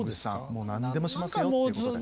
もう何でもしますよということで。